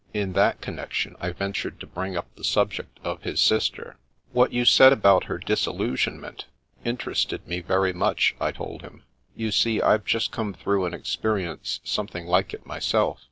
In that connection, I ventured to bring up the subject of his sister. What you said about her disillusionment in terested me very much," I told him. *' You see, I've just come through an experience something like it myself.